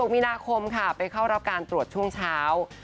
มีนาคมค่ะไปเข้ารับการตรวจช่วงเช้า